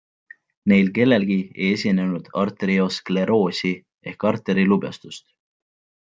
Neil kellelgi ei esinenud arterioskleroosi ehk arterilubjastust.